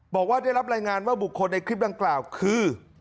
บอกว่าได้รับรายงานว่าบุคคลในคลิปดังกล่าวคือ